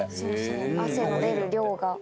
汗の出る量が。